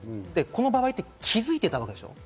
この場合、気づいてたわけでしょ？